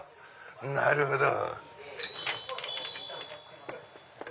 なるほど。